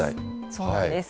そうなんです。